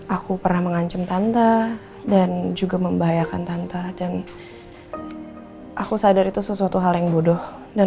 aku pernah mengancam tanta dan juga membahayakan tanta dan aku sadar itu sesuatu hal yang bodoh dan